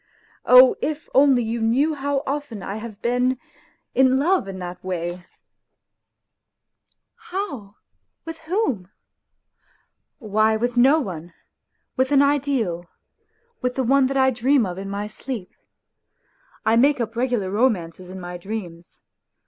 Oh, if only you knew how often I have been in love in that way ..."" How ? With whom ?.*..."" Why, with no one, with an ideal, with the one I dream of in my sleep. I make up regular romances in my dreams.